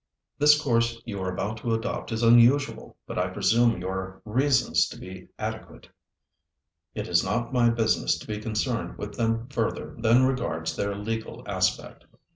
The course you are about to adopt is unusual; but I presume your reasons to be adequate. It is not my business to be concerned with them further than regards their legal aspect."